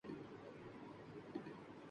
کہ خارِ خشک کو بھی دعویِ چمن نسبی ہے